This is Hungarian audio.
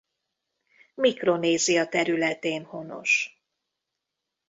Mikronézia területén honos.